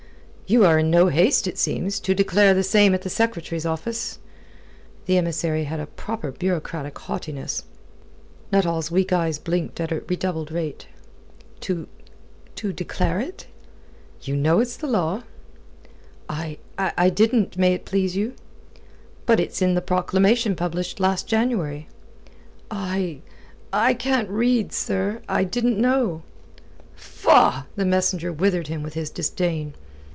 "You are in no haste, it seems, to declare the same at the Secretary's office." The emissary had a proper bureaucratic haughtiness. Nuttall's weak eyes blinked at a redoubled rate. "To... to declare it?" "Ye know it's the law." "I... I didn't, may it please you." "But it's in the proclamation published last January." "I... I can't read, sir. I... I didn't know." "Faugh!" The messenger withered him with his disdain.